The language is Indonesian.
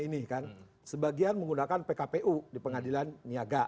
ini kan sebagian menggunakan pkpu di pengadilan niaga